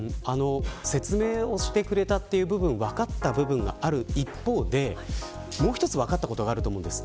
説明をしてくれたという部分で分かった部分がある一方でもう一つ分かったことがあると思うんです。